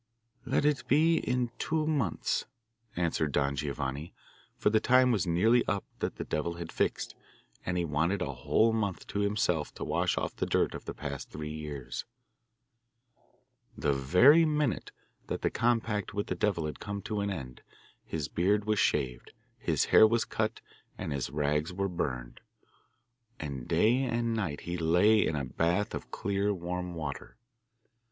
'Let it be in two months,' answered Don Giovanni, for the time was nearly up that the devil had fixed, and he wanted a whole month to himself to wash off the dirt of the past three years. The very minute that the compact with the devil had come to an end his beard was shaved, his hair was cut, and his rags were burned, and day and night he lay in a bath of clear warm water.